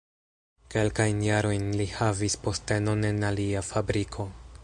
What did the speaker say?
Kelkajn jarojn li havis postenon en alia fabriko.